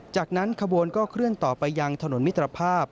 จากนั้นขบวนก็เคลื่อนต่อไปยังถนนมิตรภาพ